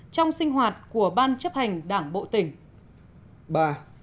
trong sinh hoạt của ban chấp hành đảng bộ tỉnh